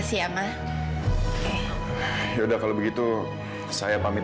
sambil tak menghirup kita